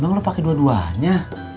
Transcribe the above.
emang lo pake dua duanya